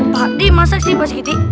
pak d masak sih bos kitih